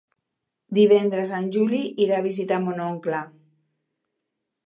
Divendres en Juli irà a visitar mon oncle.